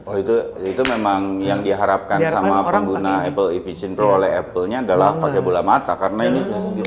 oh itu memang yang diharapkan sama pengguna apple evi syndro oleh apple nya adalah pakai bola mata karena ini